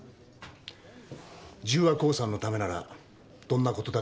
十和興産のためならどんなことだってやる。